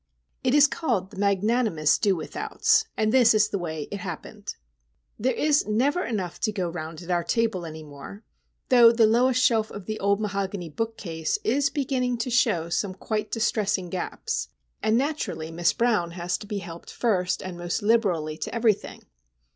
It is called "The Magnanimous Do Withouts," and this is the way it happened: There is never enough to go round at our table any more, though the lowest shelf of the old mahogany bookcase is beginning to show some quite distressing gaps, and naturally Miss Brown has to be helped first and most liberally to everything.